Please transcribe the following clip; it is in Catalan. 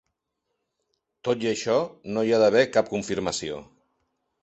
Tot i això, no hi va haver cap confirmació.